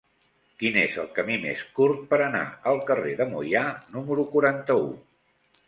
Quin és el camí més curt per anar al carrer de Moià número quaranta-u?